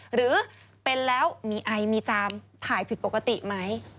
หรือเป็นแล้วมีไอมีจามถ่ายผิดปกติไหม